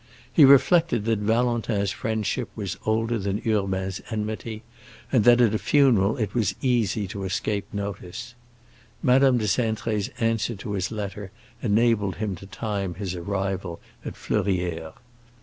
He reflected that Valentin's friendship was older than Urbain's enmity, and that at a funeral it was easy to escape notice. Madame de Cintré's answer to his letter enabled him to time his arrival at Fleurières.